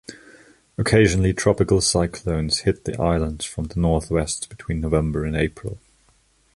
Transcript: Occasionally tropical cyclones hit the islands from the northwest between November and April.